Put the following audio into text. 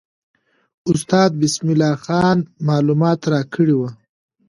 استاد بسم الله خان معلومات راکړي وو.